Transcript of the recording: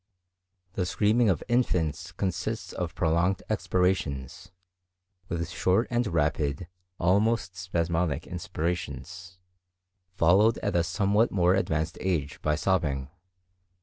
The screaming of infants consists of prolonged expirations, with short and rapid, almost spasmodic inspirations, followed at a somewhat more advanced age by sobbing.